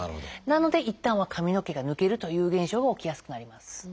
なのでいったんは髪の毛が抜けるという現象が起きやすくなります。